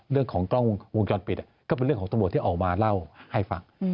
เรื่องของกล้องวงจรปิดก็เป็นเรื่องของตำรวจที่ออกมาเล่าให้ฟัง